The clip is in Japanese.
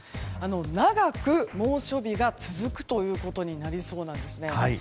長く猛暑日が続くということになりそうなんですね。